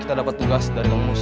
kita dapat tugas dari kang mus